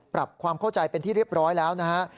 ปรับความเข้าใจเป็นที่เรียบร้อยแล้วนะฮะ